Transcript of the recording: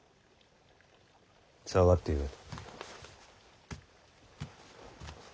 下がってよい。